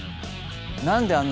何であんな